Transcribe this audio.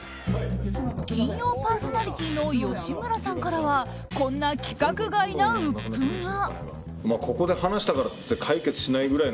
金曜パーソナリティーの吉村さんからはこんな規格外なうっぷんが。